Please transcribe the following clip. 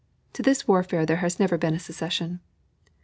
To this warfare there has never been a cessation.